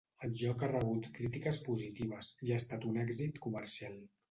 El joc ha rebut crítiques positives, i ha estat un èxit comercial.